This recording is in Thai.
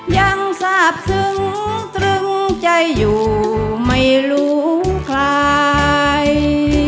ยังทราบซึ้งตรึงใจอยู่ไม่รู้ใคร